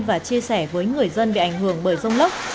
và chia sẻ với người dân bị ảnh hưởng bởi rông lốc